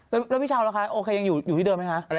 แล้วพี่เช้าล่ะคะโอเคยังอยู่ที่เดิมไหมคะ